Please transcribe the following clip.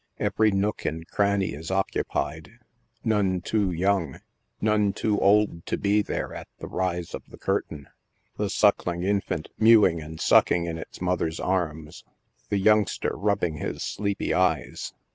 Every nook and cranny is occupied — none too young — none too old to be there at the rise of the curtain. The suckling infant " mewing and sucking in its mother's arms." The youngster rubbing his sleepy eyes.